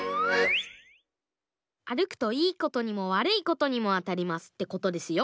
あるくといいことにもわるいことにもあたりますってことですよ。